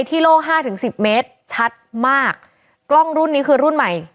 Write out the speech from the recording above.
โล่งห้าถึงสิบเมตรชัดมากกล้องรุ่นนี้คือรุ่นใหม่